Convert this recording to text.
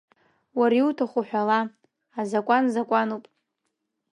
Уара иуҭаху ҳәала, азакәан закәануп.